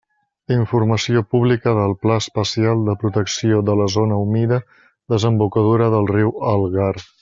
Informació publica del Pla Especial de Protecció de la Zona Humida Desembocadura del Riu Algar.